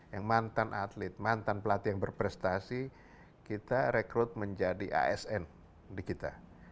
yang mantan atlet mantan pelatih yang berprestasi kita rekrut menjadi asn di kita